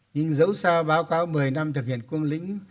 nhưng dẫu sao báo cáo một mươi năm thực hiện cương lĩnh